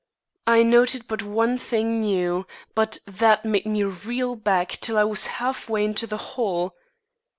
I noted but one thing new, but that made me reel back till I was half way into the hall.